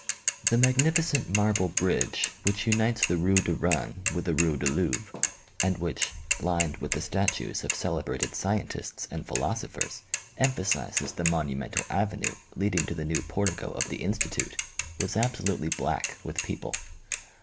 magnificent marble bridge which unites the Rue de Rennes with the Rue de Louvre, and which, lined with the statues of celebrated scientists and philosophers, emphasizes the monumental avenue leading to the new portico of the Institute, was absolutely black with people.